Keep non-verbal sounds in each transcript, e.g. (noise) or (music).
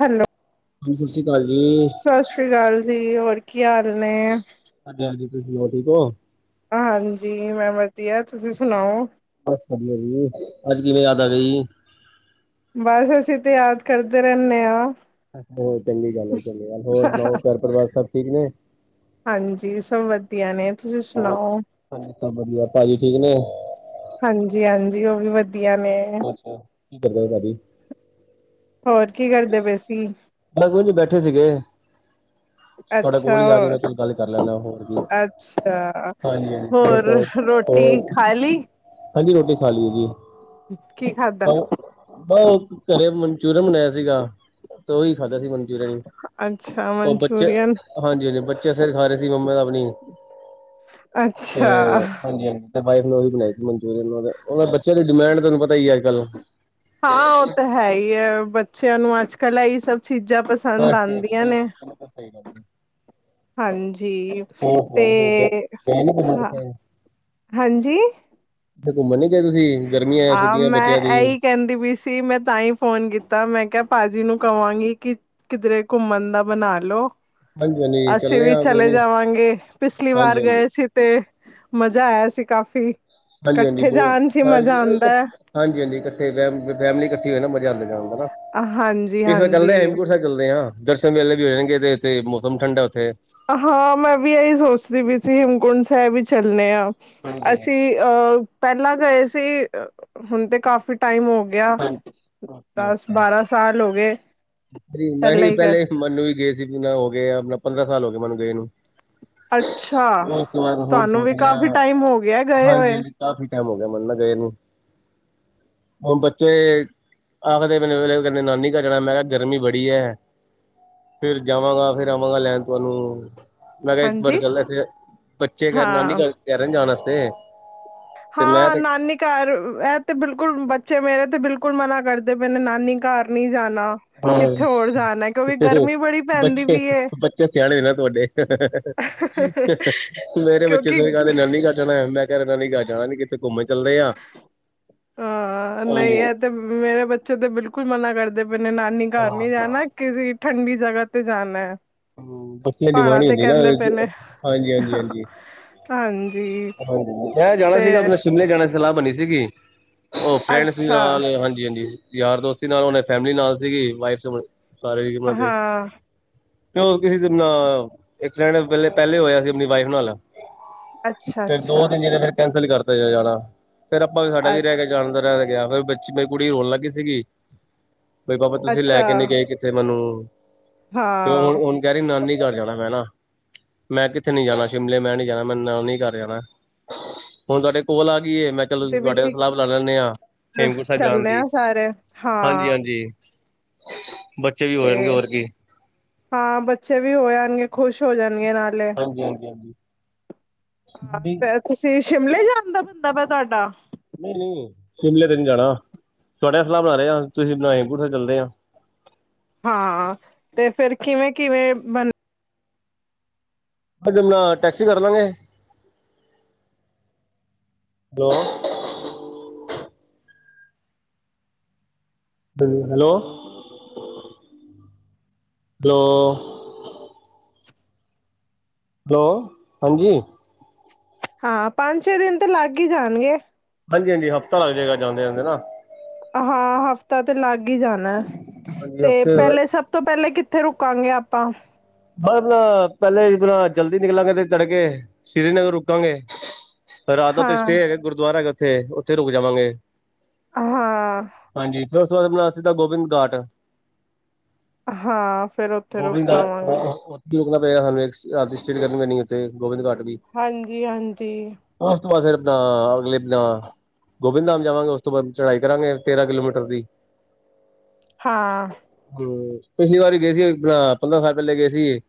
Hello. ਹਾਂਜੀ, ਸ਼ਾਸਰੀ ਕਾਲ ਜੀ। ਸਤਿ ਸ੍ਰੀ ਅਕਾਲ, ਜੀ ਹੋਰ ਕੀ ਹਾਲ ਨੇ। ਹਾਂਜੀ - ਹਾਂਜੀ ਤੁਸੀ ਸੁਣਾਓ ਠੀਕ ਓ? ਹਾਂਜੀ, ਮੈ ਵਧੀਆ, ਤੁਸੀਂ ਸੁਣਾਓ। ਬਸ ਵਧੀਆ ਜੀ, ਅੱਜ ਕਿਵੇਂ ਯਾਦ ਆ ਗਈ ਜੀ। ਬਸ ਅਸੀ ਤੇ ਯਾਦ ਕਰਦੇ ਰਹਿਨੇ ਆ। ਹੋਰ ਚੰਗੀ ਗੱਲ ਹੈ, ਚੰਗੀ ਗੱਲ, ਹੋਰ ਸੁਣਾਓ ਘਰ ਪਰਿਵਾਰ ਸਭ ਠੀਕ ਨੇ ਹਾਂਜੀ, ਸਭ ਵਧੀਆ ਨੇ, ਤੁਸੀਂ ਹਾਂ ਸੁਣਾਓ। ਹਾਂਜੀ ਸਭ ਵਧੀਆ ਭਾਜੀ ਠੀਕ ਨੇ ਹਾਂਜੀ -ਹਾਂਜੀ, ਉਹ ਵੀ ਵਧੀਆ ਨੇ। ਹੋ-ਹੋ ਕੀ ਕਰਦੇ ਹੋ ਭਾਜੀ ਹੋਰ ਕੀ ਕਰਦੇ ਪਏ ਸੀ? ਅ' ਕੁ ਬੈਠੇ ਸੀਗੇ ਤੁਹਾਡੇ ਅੱਛਾ ਕੋਲ ਹੀ ਆ ਗਈ ਮੈਂ ਚਲ ਗੱਲ ਕਰ ਹੋਰ- ਲੈਂਦਾ ਹੋਰ ਕੀ ਅੱਛਾ ਹਾਂਜੀ ਹਾਂਜੀ ਬਸ ਹੋਰ। ਰੋਟੀ ਹੋਰ ਖਾ ਲਈ। ਹਾਂਜੀ, ਰੋਟੀ ਖਾ ਲਈ ਜੀ ਕੀ ਖਾਧਾ? ਬਸ, ਘਰੇ ਮਨਚੂਰੀਅਨ ਬਣਾਇਆ ਸੀਗਾ ਉਹੀ ਖਾਧਾ ਸੀ ਮਨਚੂਰੀਅਨ ਅੱਛਾ ਮਨਚੂਰੀਅਨ ਹਾਂਜੀ-ਹਾਂਜੀ ਬੱਚੇ ਸਿਰ ਖਾ ਰਹੇ ਸੀ ਮੰਮਾ ਦਾ ਆਪਣੀ, ਤੇ ਅੱਛਾ ਹਾਂਜੀ- ਹਾਂਜੀ ਵਾਈਫ ਨੇ ਬਣਾਏ ਸੀ ਮਨਚੂਰੀਅਨ ਬੱਚਿਆ ਦੀ ਡਿਮਾਂਡ ਤੁਹਾਨੂੰ ਪਤਾ ਈ ਐ, ਅਜ - ਕੱਲ। ਹਾਂ ਉਹ ਤਾਂ ਹੈ ਹੀ ਹੈ, ਬੱਚਿਆਂ ਨੂੰ ਅੱਜ- ਕੱਲ ਇਹੀ ਸਭ ਚੀਜ਼ਾਂ ਪਸੰਦ ਆਉਂਦੀਆਂ ਨੇ ਤਾਂ ਸਹੀ ਗੱਲ ਹੈ। ਹਾਂਜੀ, ਹੋਰ ਸੁਣਾਓ ਤੁਸੀਂ ਗਏ ਤੇ' ਗਏ ਨੀ ਘੁੰਮਣ ਹਾਂ ਕਿਤੇ ਹਾਂਜੀ ਕਿਤੇ ਘੁੰਮਣ ਨੀ ਗਏ ਤੁਸੀਂ, ਗਰਮੀਆਂ ਆ, ਹਾਂ ਛੁੱਟੀਆਂ ਮੈਂ ਬੱਚਿਆਂ ਦੀ ਇਹੀ ਕਹਿੰਦੀ ਵੀ ਸੀ, ਮੈਂ ਤਾਂ ਹੀ ਫੋਨ ਕੀਤਾ, ਮੈਂ ਕਿਹਾ ਭਾਜੀ ਨੂੰ ਕਹਾਂਗੀ ਕਿ ਕਿਧਰੇ ਘੁੰਮਣ ਦਾ ਮਨਾ ਲਓ। ਹਾਂਜੀ ਹਾਂਜੀ ਅਸੀਂ ਚੱਲਣੇ ਵੀ ਆ ਕੋਈ ਚਲੇ ਨੀ ਜਾਵਾਂਗੇ, ਪਿਛਲੀ ਵਾਰ ਹਾਂਜੀ ਹਾਂਜੀ ਗਏ ਸੀ ਤੇ' ਮਜ਼ਾ ਆਇਆ ਸੀ ਕਾਫ਼ੀ ਹਾਂਜੀ-ਹਾਂਜੀ ਇਕੱਠੇ ਬਹੁਤ, ਜਾਣ ਚ ਹੀ ਮਜ਼ਾ ਆਉਂਦਾ ਹੈ ਹਾਂਜੀ-ਹਾਂਜੀ-ਹਾਂਜੀ ਇਕੱਠੇ ਫੈਮਲੀ ਇਕੱਠੀ ਹਨਾ, ਮਜ਼ਾ ਆਉਂਦਾ ਜਾਣ ਹਨਾ, ਹਾਂਜੀ ਇਸ ਵਾਰ ਹਾਂਜੀ ਚੱਲਦੇ ਹੇਮਕਟ ਸਾਹਿਬ। ਚੱਲਦੇ ਹਾਂ, ਦਰਸ਼ਨ ਵੇਲੇ ਵੀ ਹੋ ਜਾਣਗੇ ਤੇ' ਇੱਥੇ ਮੌਸਮ ਠੰਡਾ ਉੱਥੇ ਹਾਂ ਮੈਂ ਵੀ ਇਹੀ ਸੋਚਦੀ ਵੀ ਅਸੀਂ, ਹੇਮਕੁੰਟ ਸਾਹਿਬ ਹੀ ਚੱਲੇ ਹਾਂ, ਹਾਂਜੀ ਅਸੀਂ। ਅ ਪਹਿਲਾ ਗਏ ਸੀ, ਹੁਣ ਤੇ ਕਾਫੀ ਟਾਈਮ ਹੋ ਗਿਆ। ਗਿਆ, ਦਸ -ਬਾਰਾਂ ਸਾਲ ਹੋ ਗਏ। ਹਾਂਜੀ, ਮੈਂ ਪਹਿਲਾਂ ਹੀ ਗਏ ਪਹਿਲੇ ਮੈਨੂੰ ਵੀ ਗਏ ਸੀ ਵੀ ਮੈਂ ਹੋ ਗਏ ਆਪਣਾ ਪੰਦਰਾਂ ਸਾਲ ਹੋ ਗਏ ਮੈਨੂੰ ਗਏ ਨੂੰ ਅੱਛਾ ਉਹ ਇਸ ਵਾਰ ਹੋਰ ਤੁਹਾਨੂੰ ਸੋਚ ਵੀ ਰਹੇ ਕਾਫੀ ਹਾਂ, ਟਾਈਮ ਹੋ ਗਿਆ ਗਏ ਹਾਂਜੀ ਹੋਏ -ਹਾਂਜੀ। ਕਾਫ਼ੀ ਟਾਈਮ ਹੋ ਗਿਆ ਮੰਨਨਾ ਗਏ ਨੂੰ, ਹੁਣ ਤੇ' ਆਖਦੇ ਮੈਨੂੰ, ਪਹਿਲਾ ਨਾਨੀ ਘਰ ਜਾਣਾ, ਮੈਂ ਕਿਹਾ ਗਰਮੀ ਬੜੀ ਹੈ ਫੇਰ ਜਾਵਾਂਗਾ, ਫੇਰ ਆਵਾਂਗਾ ਲੈਣ ਤੁਹਾਨੂੰ ਮੈਂ ਕਿਹਾ, ਇੱਕ ਵਾਰ ਹਾਂਜੀ ਗੱਲ, ਬੱਚੇ ਕਰ ਨਾਨੀ ਹਾਂ ਘਰ ਜਾਣ ਵਾਸਤੇ ਤੇ ਮੈਂ ਹਾ ਤੇ ਨਾਨੀ- ਘਰ ਇਹ ਤੇ ਬਿਲਕੁਲ ਬੱਚੇ ਮੇਰੇ ਤੇ ਬਿਲਕੁਲ ਮਨਾ ਕਰਦੇ ਪਏ ਨੇ ਨਾਨੀ ਘਰ ਨਹੀ ਜਾਣਾ। ਕਿੱਥੇ ਹੋਰ ਜਾਣਾ ਕਿਉਂਕਿ ਗਰਮੀ ਬੜੀ ਪੈਂਦੀ ਪਈ ਏ ਬੱਚੇ-ਬੱਚੇ ਸਿਆਣੇ ਦੇ ਨਾ ਤੁਹਾਡੇ ਮੇਰੇ ਬੱਚੇ ਕਿਉਂਕਿ ਸਹੀ ਕਹਿੰਦੇ ਨੇ ਨਾਨੀ ਘਰ। ਜਾਣਾ, ਮੈਂ ਕਿਹਾ ਨਾਨੀ ਘਰ ਜਾਣਾ ਨੀ ਕਿਤੇੇ ਘੁੰਮਣ। ਚੱਲਦੇ ਆ ਹਾਂ ਹਾਂਜੀ ਨਹੀਂ ਤੇ ਮੇਰੇ ਬੱਚੇ ਤੇ ਬਿਲਕੁਲ ਮਨਾ ਕਰਦੇ ਪਏ ਨੇ, ਨਾਨੀ ਘਰ ਨੀ ਜਾਣਾ। ਕਿਸੀ ਠੰਡੀ ਜਗ੍ਹਾ ਤੇ ਜਾਣਾ ਹੈ। ਬੱਚੇ। ਦੀ ਪਹਾੜਾਂ ਬਾਣੀ ਤੇ ਹੁੰਦੀ ਨਾ, ਕਹਿੰਦੇ ਪਏ ਹਾਂਜੀ ਨੇ -ਹਾਂਜੀ -ਹਾਂਜੀ। ਹਾਂਜੀ ਹਾਂਜੀ, ਮੈਂ ਜਾਣਾ ਤੇ ਸੀਗਾ ਆਪਣੇ ਸ਼ਿਮਲੇ ਜਾਣੇ ਦੀ ਸਲਾਹ ਬਣੀ ਸੀਗੀ, ਉਹ ਫਰੈਂਡਸ ਦੇ ਅੱਛਾ ਨਾਲ ਹਾਂਜੀ ਹਾਂਜੀ -ਹਾਂਜੀ, ਯਾਰ ਦੋਸਤੀ ਨਾਲ, ਫੈਮਿਲੀ ਨਾਲ ਸੀਗੀ ਵਾਈਫ ਸਾਰੇ ਉਹਨਾਂ ਦੇ ਹਾਂ, ਅਤੇ ਕਿਸੇ ਨਾਲ, ਇੱਕ ਫਰੈਂਡ ਵੇਲੇ ਪਹਿਲੇ ਹੋਇਆ ਸੀ ਆਪਣੀ ਵਾਈਫ ਨਾਲ ਤੇ' ਅੱਛਾ-ਅੱਛਾ, ਦੋ ਤਿੰਨ ਜੇ ਫਿਰ ਕੈਂਸਲ ਕਰਤਾ ਜਾ ਜਾਣਾ, ਫੇਰ ਆਪਾਂ ਵੀ ਸਾਡਾ ਵੀ ਅੱਛ ਰਹਿ ਕੇ ਜਾਣ ਦਾ ਰਹਿ ਗਿਆ ਫਿਰ ਮੇਰੀ ਕੁੜੀ ਰੋਣ ਲੱਗ ਗਈ ਸੀ, ਬਈ ਪਾਪਾ ਤੁਸੀਂ ਲੈ ਅੱਛਾ, ਕੇ ਨੀ ਗਏ, ਕਿਤੇ ਮੈਨੂੰ ਹਾਂ (unintelligible) ਨਾਨੀ ਘਰ ਜਾਣਾ ਮੈਂ ਨਾ ਮੈਂ ਕਿੱਥੇ ਨੀ ਜਾਣਾ ਸ਼ਿਮਲੇ ਮੈਂ ਨੀ ਜਾਣਾ ਮੈਂ ਨਾਨੀ ਘਰ ਜਾਣਾ, ਹੁਣ ਤੁਹਾਡੇ ਕੋਲ ਆ ਗਈ ਮੈਂ ਕਲ ਤੇ ਵੀ ਤੁਹਾਡੇ ਨਾਲ ਅਸੀਂ ਸਲਾਹ ਬਣਾ ਲੈਂਦੇ ਹਾਂ ਹੇਮਕੁੰਟ ਸਾਹਿਬ ਜਾਣ ਚੱਲਣੇ ਦੀ, ਆ ਸਾਰੇ ਹਾਂਜੀ- ਹਾਂ ਹਾਂਜੀ ਬੱਚੇ ਵੀ ਹੋ ਜਾਣਗੇ ਤੇ' ਹੋਰ ਕੀ ਹਾਂ ਬੱਚੇ ਵੀ ਹੋ ਜਾਣਗੇ ਖੁਸ਼ ਹੋ ਜਾਣਗੇ ਨਾਲੇ ਹਾਂਜੀ - ਹਾਂਜੀ। ਨਹੀਂ ਤੁਸੀਂ ਸ਼ਿਮਲੇ ਜਾਣ ਦਾ ਬੰਦਾ ਵੈ ਤੁਹਾਡਾ ਨਹੀਂ-ਨਹੀਂ ਸ਼ਿਮਲੇ ਤੇ ਨੀ ਜਾਣਾ ਤਾਡੇ ਸਲਾਹ ਬਣਾ ਰਹੇ ਤੁਸੀਂ ਹੇਮਕੁੰਟ ਸਾਬ ਚੱਲਦੇ ਆ ਹਾਂ, ਤੇ ਫੇਰ ਕਿਵੇ - ਕਿਵੇ ਬ- ਜ ਨਾਲ ਟੈਕਸੀ ਕਰ ਦਾਂਗੇ ਹੈਲੋ। ਹੈਲੋ (unintelligible) ਹੈਲੋ, ਹਾਂਜੀ। ਹਾਂ ਪੰਜ, ਛੇ ਦਿਨ ਤੇ ਲੱਗ ਹੀ ਜਾਣਗੇ ਹਾਂਜੀ -ਹਾਂਜੀ, ਹਫ਼ਤਾ ਲੱਗ ਜੇ ਗਾ ਜਾਂਦੇ- ਜਾਂਦੇ ਨਾ। ਹਾ ਹਫ਼ਤਾ ਤੇ ਲੱਗ ਹੀ ਜਾਣਾ ਏ, ਹਾਂਜੀ ਤੇ ਹਫ਼ਤੇ ਪਹਿਲੇ ਸਭ- ਤੋ ਪਹਿਲੇ ਕਿੱਥੇ ਰੁਕਾਗੇ ਆਪਾ? ਮ ਬ ਪਹਿਲੇ ਆਪਣਾ ਜਲਦੀ ਨਿਕਲਾਂਗੇ ਤੇ ਤੜਕੇ ਕੇ ਸ੍ਰੀਨਗਰ ਰੁਕਾਂਗੇ ਰਾਤ ਦਾ ਤੇ ਹਾਂ ਸਟੇ ਹੈਗਾ ਗੁਰਦੁਆਰਾ ਹੈਗਾ ਉੱਥੇ- ਉੱਥੇ ਰੁਕ ਜਾਵਾਂਗੇ। ਹਾਂ ਹਾਂਜੀ ਫੇਰ ਉਸ ਤੋ ਬਾਅਦ, ਆਪਣਾ ਸਿੱਧਾ ਗੋਬਿੰਦ ਘਾਟ। ਹਾਂ ਫੇਰ ਉੱਥੇ ਗੋਬਿੰਦ ਰੁਕ ਘਾਟ ਲਵਾਂਗੇ। ਉੱਥੇ ਰੁਕਣਾ ਪਏਗਾ ਸਾਨੂੰ ਇੱਕ ਰਾਤ ਦੀ ਸਟੇ ਕਰਨੀ ਪੈੈਂਣੀ, ਉੱਥੇ ਗੋਬਿੰਦ ਘਾਟ ਦੀ। ਹਾਂਜੀ-ਹਾਂਜੀ ਉਸ ਤੋਂ ਬਾਅਦ ਫਿਰਦ ਅਗਲੇ ਦਿਨਾਂ। ਗੋਬਿੰਦ ਧਾਮ ਜਾਵਾਗੇ ਉਸ ਤੋ ਬਾਅਦ, ਚੜਾਈ ਕਰਾਗੇ ਤੇਰਾਂ ਕਿਲੋਮੀਟਰ ਦੀ। ਹਾਂ। ਹੈਲੋ, ਪਿਛਲੀ ਵਾਰੀ ਗਏ ਸੀ ਆਪਣਾ ਪੰਦਰਾਂ ਸਾਲ। ਪੱਲੇ ਗਏ ਸੀ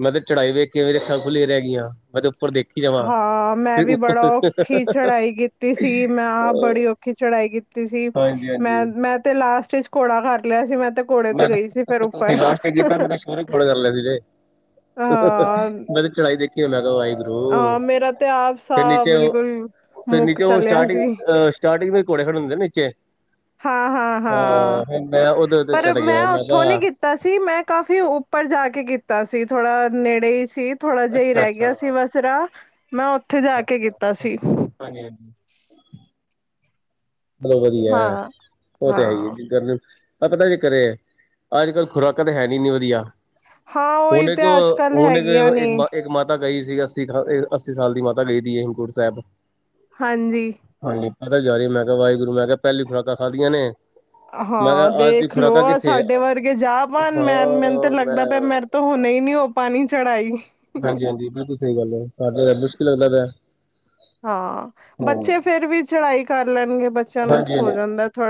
ਮੈਂ ਤੇ' ਚੜ੍ਹਾਈ ਵੇਖ ਕੇ ਅਖਾਂ ਖੁੱਲੀਆਂ ਰਹਿ ਗਈਆ ਮੈਂ ਤੇ ਉੱਪਰ ਦੇਖ ਹਾ ਮੈ ਵੀ ਬੜਾ ਉਹ- ਔਖੀ ਚੜਾਈ ਕੀਤੀ ਸੀ। ਮੈਂ ਆਪ ਬੜੀ ਔਖੀ ਚੜਾਈ ਕੀਤੀ ਸੀ। ਹਾਂਜੀ ਮੈਂ ਹਾਂਜੀ ਮੈਂ ਤੇ ਲਾਸਟ ਵਿਚ ਘੋੜਾ ਕਰ ਲਿਆ ਸੀ ਮੈਂ ਤੇ ਘੋੜੇ ਤੇ ਮੈਂ ਗਈ ਸੀ ਫੇਰ ਤੁਸੀਂ ਉੱਪਰ ਲਾਸਟ ਕੀਤਾ ਮੈਂ ਸ਼ੋਹ ਖੋੜ ਕਰ ਲਿਆ ਸੀ ਜ ਹਾਂ ਮੇਰੀ ਚੜਾਈ ਦੇਖੀ। ਉਹ ਹਾਂ ਮੇਰਾ ਤੇ ਆਪ ਫਿਰ ਸਾਹ ਨੀਚੇ ਉਹ ਬਿਲਕੁਲ ਫਿਰ ਮੁੱਕ ਨੀਚੇ ਉਹ ਚਲਿਆ ਸਟਾਰਟਿੰਗ ਸੀ ਅ। ਸਟਾਰਟਿੰਗ ਦੇ ਕੌੜੇ ਖੜੇ ਹੁੰਦੇ ਨੇ ਨੀਚੇ, ਹਾਂ ਹਾਂ ਹਾਂ ਹਾ ਫੇ ਮੇਰਾ ਉਦੇ- ਚੜ ਪਰ ਗਿਆ ਮੈਂ ਉੱਥੋਂ ਨੀ ਕਿਹਾ। ਕੀਤਾ ਸੀ ਮੈਂ ਕਾਫ਼ੀ ਉੱਪਰ ਜਾ ਕੇ ਕੀਤਾ ਸੀ ਥੋੜਾ ਨੇੜੇ ਹੀ ਸੀ ਥੋੜ੍ਹਾ ਜਿ ਆ ਹੀ ਅੱਛਾ ਰਹਿ ਅੱਛਾ ਗਿਆ ਅੱਛਾ ਸੀ ਰਾ ਮੈਂ ਉੱਥੇ ਜਾ ਕੇ ਅੱਛਾ ਕੀਤਾ ਸੀ। ਹਾਂਜੀ - ਹਾਂਜੀ। ਮਤਲਬ ਵਧੀਆ ਹਾਂ ਉਹ ਤੇ ਹੈ ਹਾਂ ਹੀ ਹੈ ਜਿੰਰ। ਪਤਾ ਜੇ ਕਰੇ ਅੱਜ ਕੱਲ੍ਹ ਖੁਰਾਕਾਂ ਤਾਂ ਹੈ ਨੀ ਇੰਨੀ ਵਧੀਆ ਹਾਂ ਉਹੀ ਹੋਣੇ ਤੇ ਤੋਂ ਅੱਜ ਕੱਲ ਹੋਣੇ ਹੈਗੀਆਂ ਨੇ ਇਕ ਮਾਤਾ ਮਾਤਾ ਗਈ ਸੀ ਅੱਸੀ- ਅੱਸੀ ਸਾਲ ਦੀ ਮਾਤਾ ਗਈ ਸੀ ਹੇਮਕੁੰਟ ਸਾਬ। ਹਾਂਜੀ ਹਾਂਜੀ ਪਤਾ ਜਾਹੀ ਮੈ ਕਿਹਾ ਵਾਹਿਗੁਰੂ ਮੈ ਕਿਹਾ ਪਹਿਲੀ ਖੁਰਾਕਾਂ ਖਾਦੀਆਂ ਨੇ ਮੈਂ ਹਾਂ ਕਿਹਾ ਅੱਜ ਦੀ ਦੇਖਲਓ ਖੁਰਾਕਾਂ ਆ ਕਿੱਥੇ ਸਾਡੇ ਵਰਗੇ ਜਾ ਪਾਣ ਹਾਂ ਮੈਂ ਮੈਨੂੰ ਤੇ ਮੈਂ ਲੱਗਦਾ ਪਿਆ ਮੇ ਤਾਂ ਹੁਣ ਨੀ, ਉਹ ਪਾਣੀ ਚੜ੍ਹਾਈ ਹਾਂਜੀ- ਹਾਂਜੀ ਬਿਲਕੁਲ ਸਹੀ ਗੱਲ ਹੈ। ਮੁਸ਼ਕਿਲ ਲੱਗਦਾ ਪੇਆ। ਹਾਂ ਬੱਚੇ ਫੇਰ ਵੀ ਚੜਾਈ ਕਰ ਲੈਣਗੇ ਬ ਹਾਂਜੀ- ਹਾਂਜੀ-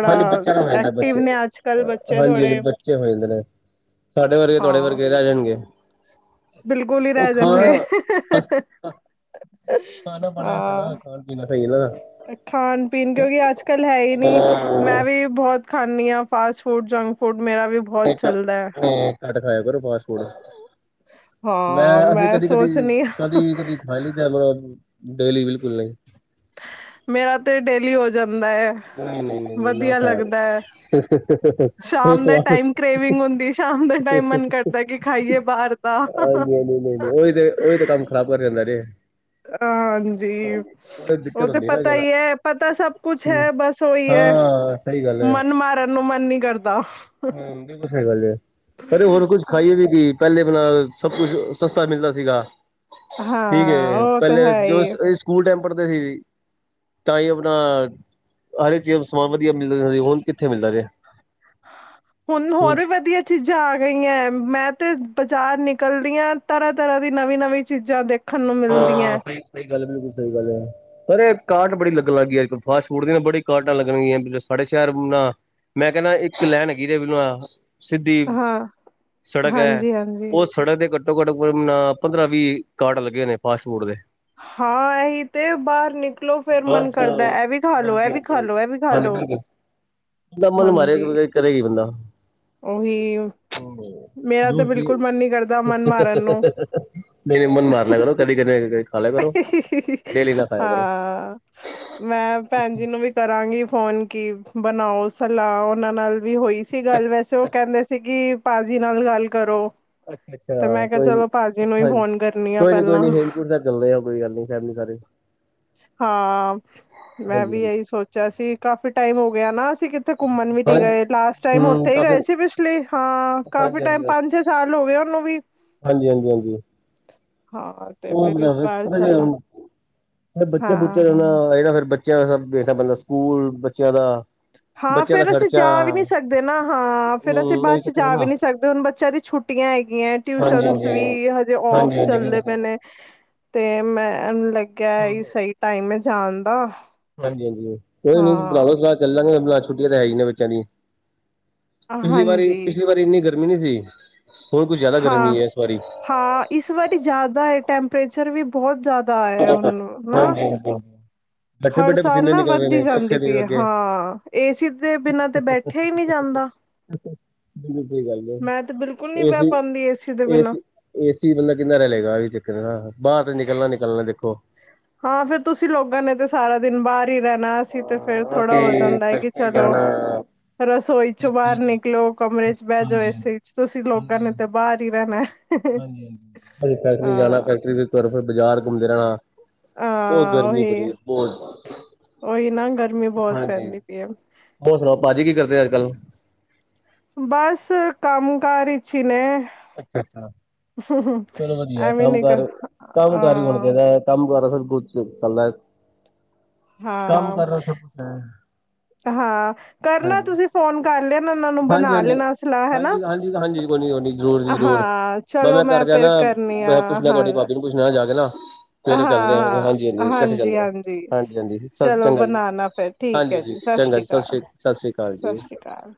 ਹਾਂਜੀ ਬੱਚੇ ਨੂੰ ਹੋ ਜਾਦਾ ਐਕਟਿਵ ਬੱਚੇ ਨੇ ਅੱਜ ਕੱਲ੍ਹ ਬੱਚੇ ਹਾਂਜੀ- ਥੋੜੇ ਹਾਂਜੀ ਬੱਚੇ ਹੋ ਜਾਦੇ ਨੇ ਸਾਡੇ ਵਰਗੇ ਤੁਹਾਡੇ ਹਾਂ ਵਰਗੇ ਰਹਿ ਜਾਣਗੇ ਬਿਲਕੁਲ ਹੀ ਉਹ ਰਹਿ ਜਾਣਗੇ। ਖਾਣਾ ਖਾਣਾ ਬਣਾ ਨਾ ਹਾਂ ਖਾਣ ਪੀਣਾ ਸਹੀ ਨਾ ਖਾਣ ਪੀਣ ਕਿਉਂਕਿ ਅੱਜ ਕੱਲ੍ਹ ਹੈ ਹੀ ਨਹੀਂ ਮੈਂ ਵੀ ਬਹੁਤ ਖਾਂਦੀ ਹਾਂ ਫਾਸਟ ਫੂਡ, ਜੰਕ ਫੂਡ ਮੇਰਾ ਵੀ ਬਹੁਤ ਇਕ ਨ ਚੱਲਦਾ ਹੈ ਘੱਟ ਖਾਇਆ ਕਰੋ ਫਾਸਟ ਫੂਡ ਮੈਂ ਹਾਂ ਅਸੀ ਕਦੀ- ਕਦੀ- ਸੋਚਣੀ ਆ ਕਦੀ- ਕਦੀ- ਹ ਤੇ ਡੇਲੀ ਬਿਲਕੁਲ ਨਹੀਂ ਈ ਮੇਰਾ ਤੇ ਡੇਲੀ ਹੋ ਜਾਂਦਾ ਹੈ ਨਹੀਂ ਨਹੀਂ ਨਹੀਂ ਨਹੀਂ ਨਾ ਵਧੀਆ ਖਾਇਆ ਲੱਗਦਾ ਹੈ ਸ਼ਾਮ ਇਸ ਦੇ ਵਾਸਤੇ ਟਾਈਮ ਕਰੇਵਿੰਗ ਹੁੰਦੀ। ਸ਼ਾਮ ਦੇ ਟਾਈਮ ਮਨ ਕਰਦਾ ਕਿ ਖਾਈਏ ਬਾਹਰ ਦਾ। ਹਾਂਜੀ ਹਾਂਜੀ ਨਹੀਂ ਉਹੀ ਤੇ ਉਹੀ ਤੇ ਕੰਮ ਖ਼ਰਾਬ ਕਰਿਆ ਜਾ ਰਿਹਾ। ਹਾਂਜੀ, ਦਿੱਕਤ ਉਹ ਤੇ ਹੁੰਦੀ ਨਾ ਪਤਾ ਜਿਆਦਾ ਈ ਏ। ਪਤਾ ਸਭ ਕੁੱਛ ਹੈ, ਬਸ ਉਹੀ ਹੈ, ਹਾਂ ਸਹੀ ਗੱਲ ਮਨ ਮਾਰਨ ਨੂੰ ਮਨ ਨੀ ਕਰਦਾ ਹ ਵੀ ਕੁ ਸਾਈ ਗੱਲ ਪਰ ਹੋਰ ਕੁਛ ਖਾਈਏ ਵੀ ਕੀ ਪਹਿਲੇ ਬਨਾਂ ਸਭ ਕੁਛ ਸਸਤਾ ਮਿਲਦਾ ਸੀਗਾ। ਹਾਂ ਠੀਕ ਐ ਉਹ ਤੇ ਪੈਲੇ ਹੈ ਜੋ ਅ ਹੀ ਅਸੀਂ ਸਕੂਲ ਟੈਮ ਪੜਦੇ ਸੀ। ਤਾਂ ਹੀ ਆਪਣਾ ਹਰੇ ਚੀਜ਼ ਸਮਾਨ ਵਧੀਆ ਮਿਲਦਾ ਰਿ ਹੁਣ ਕਿੱਥੇ ਮਿਲਦਾ ਰਿਹਾ। ਹੁਣ ਹੋਰ ਵੀ ਵਧੀਆ। ਚੀਜ਼ਾਂ ਆ ਗਈਆਂ। ਮੈਂ ਤੇ ਬਜ਼ਾਰ ਨਿਕਲਦੀ ਆਂ ਤਰਾਂ-ਤਰਾਂ ਦੀ ਨਵੀਂ-ਨਵੀਂ ਚੀਜ਼ਾਂ ਦੇਖ ਹਾਂ, ਸਹੀ ਸਹੀ ਗੱਲ ਬਿਲਕੁਲ ਸਹੀ ਗੱਲ ਹੈ। ਅਰੇ ਕਾਰਟ ਬੜੀ ਲੱਗਣ ਲੱਗਈ ਅੱਜ ਕੱਲ ਫਾਟ ਫੂਡ ਦੀਆਂ ਬੜੀਆਂ ਕਾਰਾਟਾਂ ਲੱਗਣਗੀਆਂ ਜ ਸਾਡੇ ਸ਼ਹਿਰ ਨਾਲ ਮੈਂ ਕੈਣਾ ਇੱਕ ਲੈਨ ਗਿਰੇ ਬਿਨਾਂ, ਸਿੱਦੀ ਹਾਂ ਸੜਕ ਐ, ਹਾਂਜੀ ਹਾਂਜੀ ਓ ਸੜਕ ਦੇ ਘੱਟੋ- ਘੱਟ ਪੰਦਰਾਂ- ਵੀਹ ਕਾਰਟ ਲੱਗੇ ਹੋ ਨੇ ਫਾਸਟ ਫੂਡ ਦੇ ਹਾਂ ਇਹੀ ਤੇ ਬਾਹਰ ਨਿਕਲੋ ਫੇਰ ਮਨ ਬਸ ਕਰਦਾ ਇਹ ਵੀ ਖਾ ਲੋੋ ਇਹ ਵੀ ਖਾ ਲੋੋ ਇਹ ਵੀ ਖ ਲੋ ਦਾਮਨ (unintelligible) ਹਾਂਜੀ ਮਾਰਿਆ ਕਰੇਗੀ ਬੰਦਾ ਉਹੀ ਮੇਰਾ ਤਾਂ ਬਿਲਕੁਲ ਮਨ ਨੀ ਕਰਦਾ ਮਨ ਮਾਰਨ ਨੂੰ ਨਹੀਂ ਨਹੀਂ ਮਨ ਮਾਰ ਲਿਆ ਕਰੋ ਕਦੇ ਕਦੇ ਖਾ ਲਿਆ ਕਰੋ ਡੇਲੀ ਨਾ ਖਾਇਆ ਕਰੋ ਹਾਂ ਮੈਂ ਭੈਣ ਜੀ ਨੂੰ ਵੀ ਕਰਾਂਗੀ ਫੋਨ ਕੀ ਬਣਾਓ ਸਲਾਹ ਉਨਾਂ ਨਾਲ ਵੀ ਹੋਈ ਸੀ ਗੱਲ ਵੈਸੇ। ਉਹ ਕੈਂਦੇ ਸੀ ਕਿ ਭਾਜੀ ਨਾਲ ਗੱਲ ਕਰੋ। ਅੱਛਾ ਤੇ ਅੱਛਾ ਮੈਂ ਕਿਹਾ ਕੋਈ ਚਲੋ ਭਾਜੀ ਨੂੰ ਹੀ ਹਾਂਜੀ ਫੋਨ ਕਰਨੀ ਆ ਕੋਈ ਨੀ ਕੋਈ ਪਹਿਲਾਂ ਨੀ ਹੇਮਕੁੰਟ ਸਾਹਿਬ ਚੱਲਦੇ ਆ ਕੋਈ ਗੱਲ ਨੀ ਫੈਮਲੀ ਸਾਰੇ ਹਾਂ, ਮੈਂ ਹਾਂਜੀ ਵੀ ਹਾਂਜੀ ਇਹੀ ਸੋਚ ਅਸੀ ਕਾਫੀ ਟਾਈਮ ਹੋ ਗਿਆ ਨਾ ਅਸੀ ਕਿਥੇ ਘੁੰਮਣ ਵੀ ਨ ਹਾਂਜੀ ਗਏ ਲਾਸਟ ਟਾਈਮ ਹਮ ਉਥੇ ਹੀ ਕਾਫੀ ਗਏ ਸੀ। ਪਿਛਲੀ, ਹਾਂ, ਕਾਫੀ ਹਾਂਜੀ ਟਾਈਮ ਹਾਂਜੀ ਬਸ ਪੰਜ- ਛੇ ਸਾਲ ਹੋ ਗਏ ਉਹਨੂੰ ਵੀ ਹਾਂਜੀ ਹਾਂ ਤੇ ਫਿਰ ਇਸ ਵਾਰ ਚੱਲਾ ਫ ਬੱਚੇ ਬੁੱਚੇ ਹਾਂ ਰਣਾਏ ਫਿਰ ਬੱਚਿਆਂ ਦਾ ਸਭ ਦੇਖਦਾ ਬੰਦਾ, ਸਕੂਲ ਬੱਚਿਆਂ ਦਾ। ਹਾਂ ਬੱਚਿਆਂ ਦਾ ਫੇਰ ਅਸੀਂ ਖਰਚਾ ਜਾ ਵੀ ਨੀ ਸਕਦੇ ਨਾ, ਹਾਂ ਫੇਰ ਅਸੀਂ ਹਮ ਬਾਅਦ ਉਹੀ ਚ ਚੱਕਰ ਹੈ ਜਾ ਵੀ ਨਾ ਨੀ ਸਕਦੇ, ਹੁਣ ਬੱਚਿਆਂ ਦੀ ਛੁੱ ਛੁੱਟੀਆਂ ਹੈਗੀਆਂ, ਹਾਂਜੀ ਟਿਊਸ਼ਨ ਹਾਂਜੀ ਵੀ ਹਜੇ ਹਾਂਜੀ ਔਫ ਹਾਂਜੀ ਬਿਲਕੁਲ ਚੱਲਦੇ ਸਹੀ ਪਏ ਗੱਲ ਨੇ। ਤੇ ਮੈਂ ਨੂੰ ਲੱਗਿਆ ਇਹੀ ਸਹੀ ਟਾਈਮ ਐ ਜਾਣ ਦਾ। ਹਾਂਜੀ-ਹਾਂਜੀ, ਕੋਈ ਨੀ ਬਣਾ ਲੋ ਹਾਂ ਸਲਾਹ ਚੱਲਾਂਗੇ, ਬਲਾ ਛੁੱਟੀਆਂ ਤੇ ਹੈਗੀਆਂ ਨੇ ਬੱਚਿਆਂ ਦੀ। ਪਿਛਲੀ ਵਾਰੀ, ਹਾਂਜੀ ਪਿਛਲੀ ਵਾਰੀ ਇੰਨੀ ਗਰਮੀ ਨਹੀਂ ਸੀ, ਹੁਣ ਕੁਛ ਜ਼ਿਆਦਾ ਹਾਂ ਗਰਮੀ ਹੈ ਇਸ ਵਾਰੀ ਹਾਂ, ਇਸ ਵਾਰੀ ਜ਼ਾਦਾ ਈ ਟੈਂਪਰੇਚ ਰੇਚਰ ਵੀ ਬਹੁਤ ਜਿਆਦਾ ਏ ਹੁਣ ਹਨਾ। ਹਾਂਜੀ ਹਾਂਜੀ ਹਾਂਜੀ ਬੈਠੇ ਹਰ ਬੈਠੇ ਸਾਲ ਪਸੀਨੇ ਨਾ ਨਿਕਲ ਰਹੇ ਵੱਦਦੀ ਨੇ ਜਾਂਦੀ ਪੱਖੇ ਪਈ ਦੇ ਐ ਅੱਗੇ ਹਾਂ, ਏਸੀ ਦੇ ਬਿਨਾਂ ਤੇ ਬੈ ਉਠਿਆ ਈ ਨਈ ਜਾਂਦਾ। ਬਿਲਕੁਲ ਸਹੀ ਗੱਲ ਏ, ਮੈਂ ਤੇ ਬਿਲਕੁਲ ਨਹੀਂ ਬਹਿ ਪਾਉਂਦੀ ਏਸੀ ਦੇ ਬਿਨਾਂ ਏਸੀ-ਏਸੀ ਏਸੀ ਥੱਲੇ ਕਿੰਨਾ ਰਹਿ ਲਏਗਾ, ਇਹੀ ਚੱਕਰ ਨਾ, ਬਾਹਰ ਤੇ ਨਿਕਲਣਾ, ਨਿਕਲਣਾ ਦੇਖੋ ਹਾਂ ਫੇਰ, ਤੁਸੀਂ ਲੋਕਾਂ ਨੇ ਤੇ ਸਾਰਾ ਦਿਨ ਬਾਹਰ ਫਰੀ ਰਹਿਣਾ, ਅਸੀ ਤੇ ਫੇਰ ਥੋੜਾ ਹੋ ਜਾਂਦਾ ਐ ਕਿ ਚਲੋ ਜਾਣਾ ਰਸੋਈ ਚੋਂ ਬਾਹਰ ਨਿਕਲੋ, ਕਮਰੇ ਚ ਬਹਿ ਜੋ ਏਸੀ ਚ, ਤੁਸੀਂ ਲੋਗਾਂ ਨੇ ਤਾਂ ਬਾਹਰ ਹੀ ਰਹਿਣਾ ਏ। ਹਾਂਜੀ-ਹਾਂਜੀ, ਫੈਕਟਰੀ ਜਾਣਾ ਫੈਕਟਰੀ ਦੀ ਤਰਫੋਂ ਬਾਜ਼ਾਰ ਘੁੰਮਦੇ ਰਹਿਣਾ। ਬਹੁਤ ਹਾਂ ਗਰਮੀ ਬੜੀ ਉਹੀ ਏ ਬਹੁਤ। ਉਹੀ ਨਾ ਗਰਮੀ ਬਹੁਤ ਹਾਂਜੀ, ਪੈਂਦੀ ਪਈ ਹੈ ਹੋਰ ਸੁਣਾਓ ਭਾਜੀ ਕੀ ਕਰਦੇ ਅੱਜ-ਕੱਲ। ਬਸ ਕੰਮ ਕਾਰ ਈਚੀ ਨੇ। ਅੱਛਾ- ਅੱਛਾ, ਚਲੋ ਵਧੀਆ ਐਵੇਂ ਕੰਮ ਨੀ ਕਰ ਕਾਰ, ਕੰਮ ਕਾਰ ਹੀ ਹੋਣਾ ਅ ਚਾਹੀਦਾ ਕੰਮ-ਕਾਰ ਆ ਸਰ ਬੋਤ ਅੱਛਾ ਚੱਲਦਾ ਏ। ਕੰਮ ਹਾਂ ਕਰਨਾ ਸਬ ਕੁਛ ਐ, ਹਾਂ ਕਰਨਾ ਹਾਂਜੀ। ਤੁਸੀਂ ਫੋਨ ਕਰ ਲੈਣਾ ਉਹਨਾਂ ਨੂੰ ਬਣਾ ਲੈਣਾ ਸਲਾਹ ਹਨਾ ਹਾਂਜੀ-ਹਾਂਜੀ-ਹਾਂਜੀ-ਹਾਂਜੀ-ਹਾਂਜੀ, ਕੋਨੀ-ਕੋਨੀ ਜ਼ਰੂਰ ਜੀ ਜ਼ਰੂਰ। ਹਾਂ ਚਲੋ ਮਨਾ ਕਰ ਮੈਂ ਫਿਰ ਜਾਣਾ, ਕਰਨੀ ਆ ਮੈਂ ਪੁੱਛਣਾ, ਹਾਂ ਤੁਹਾਡੀ ਭਾਬੀ ਨੂੰ ਪੁੱਛ ਲ ਜਾ ਕੇ ਨਾ ਸਵੇਰੇ ਚੱਲ ਰਏ ਹਾਂ ਆਂ, ਹਾਂ ਹਾਂਜੀ-ਹਾਂਜੀ ਕੱਠੇ ਹਾਂਜੀ ਚੱਲਦੇ ਆਂ, ਹਾਂਜੀ ਹਾਂਜੀ-ਹਾਂਜੀ ਸ ਚਲੋ ਚੰਗਾ ਜੀ। ਬਣਾਣਾ ਫਿਰ ਠੀਕ ਹੈ ਹਾਂਜੀ-ਹਾਂਜੀ ਜੀ ਸਤਿ ਚੰਗਾ ਸ੍ਰੀ ਜੀ, ਸਸ ਅਕਾਲ ਰੀ ਸਸ ਰੀ ਕਾਲ ਸਤਿ ਜੀ। ਸ੍ਰੀ ਅਕਾਲ